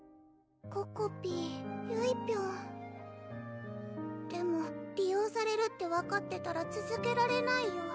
ここぴーゆいぴょんでも利用されるって分かってたらつづけられないよ